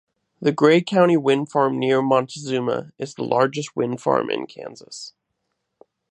The Gray County Wind Farm near Montezuma is the largest wind farm in Kansas.